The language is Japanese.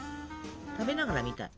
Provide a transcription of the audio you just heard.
食べながら見たい。